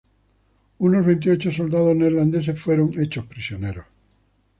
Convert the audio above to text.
Unos veintiocho soldados neerlandeses fueron hechos prisioneros.